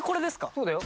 そうだよ。